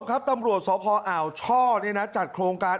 ครับตำรวจสพอ่าวช่อจัดโครงการ